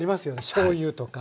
しょうゆとか。